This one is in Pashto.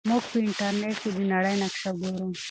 موږ په انټرنیټ کې د نړۍ نقشه ګورو.